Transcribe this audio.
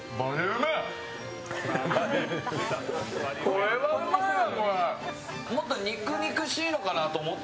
これはうまいわ！